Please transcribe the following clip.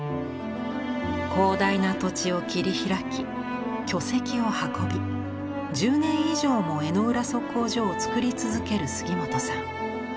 広大な土地を切り開き巨石を運び１０年以上も江之浦測候所を作り続ける杉本さん。